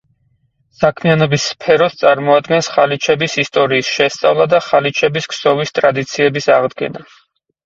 საქმიანობის სფეროს წარმოადგენს ხალიჩების ისტორიის შესწავლა და ხალიჩების ქსოვის ტრადიციების აღდგენა.